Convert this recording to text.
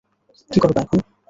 কী করবা এখন?